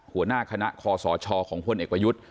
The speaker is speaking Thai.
หัวหน้าคณะคอสชของพลเอกประยุทธ์